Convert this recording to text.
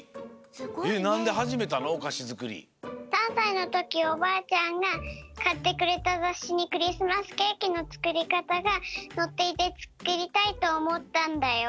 ３さいのときおばあちゃんがかってくれたざっしにクリスマスケーキのつくりかたがのっていてつくりたいとおもったんだよ。